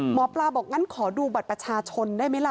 หมอปลาบอกงั้นขอดูบัตรประชาชนได้ไหมล่ะ